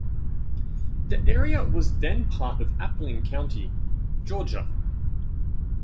The area was then part of Appling County, Georgia.